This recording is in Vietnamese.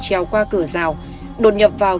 treo qua cửa rào đột nhập vào